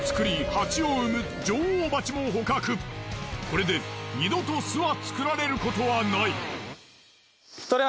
これで二度と巣は作られることはない。